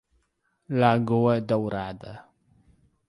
Lagoa Dourada